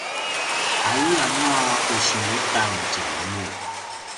aiyanga u sengelitan tjanumun